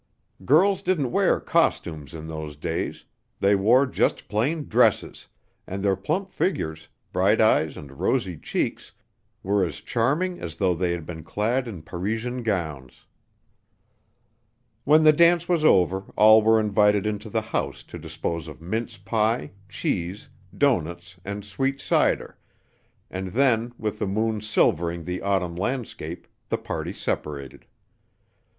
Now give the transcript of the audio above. Girls didn't wear "costumes" in those days; they wore just plain dresses, and their plump figures, bright eyes and rosy cheeks were as charming as though they had been clad in Parisian gowns. When the dance was over all were invited into the house to dispose of mince pie, cheese, doughnuts and sweet cider, and then, with the moon silvering the autumn landscape, the party separated.